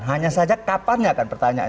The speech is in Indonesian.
hanya saja kapannya akan bertanya